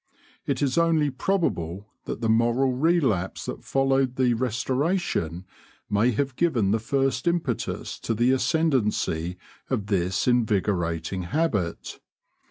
It is only probable that the moral relapse that followed the Restoration may have given the first impetus to the ascendancy of this invigorating habit.